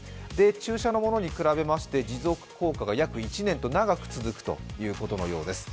注射のものに比べまして持続効果が約１年と長く続くということのようです。